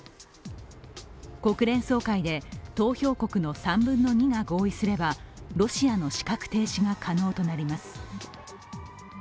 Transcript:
国連総会で投票国の３分の２が合意すればロシアの資格停止が可能となります。